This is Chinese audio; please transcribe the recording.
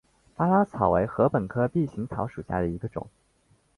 巴拉草为禾本科臂形草属下的一个种。